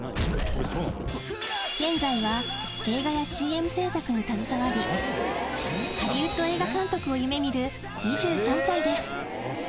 現在は映画やＣＭ制作に携わり、ハリウッド映画監督を夢みる２３歳です。